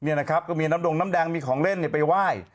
นี่นะครับก็มีน้ำดงน้ำแดงมีของเล่นไปไหว้